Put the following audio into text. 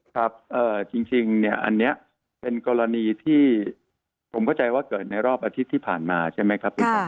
ครับจริงเนี่ยอันนี้เป็นกรณีที่ผมเข้าใจว่าเกิดในรอบอาทิตย์ที่ผ่านมาใช่ไหมครับคุณสอน